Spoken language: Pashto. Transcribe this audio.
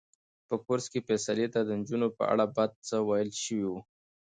په کورس کې فیصل ته د نجونو په اړه بد څه ویل شوي وو.